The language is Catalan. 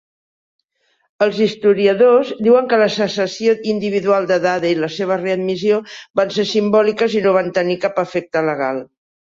Els historiadors diuen que la secessió individual de Dade i la seva readmissió van ser simbòliques i no van tenir cap efecte legal.